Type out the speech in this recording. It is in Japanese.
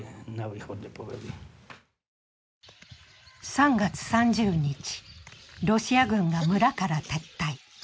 ３月３０日、ロシア軍が村から撤退。